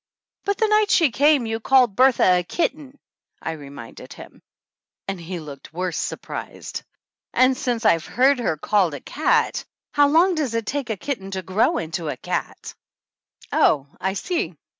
"But the night she came you called Bertha a kitten!" I reminded him, and he looked worse surprised. "And since I've heard her called a 18 THE ANNALS OF ANN cat! How long does it take a kitten to grow into a cat?" "Oh, I see!